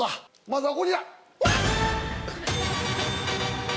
まずはこちら。